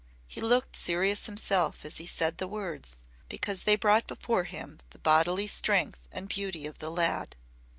He looked serious himself as he said the words, because they brought before him the bodily strength and beauty of the lad.